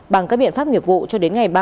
bằng các biện pháp nghiệp vụ cho đến ngày